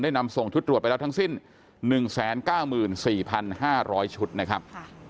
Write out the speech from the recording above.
ได้นำส่งชุดตรวจไปแล้วทั้งสิ้นหนึ่งแสนเก้าหมื่นสี่พันห้าร้อยชุดนะครับ